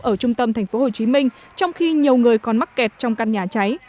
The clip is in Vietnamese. ở trung tâm tp hcm trong khi nhiều người còn mắc kẹt trong căn nhà cháy